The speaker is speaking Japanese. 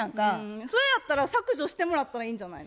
それやったら削除してもらったらいいんじゃない。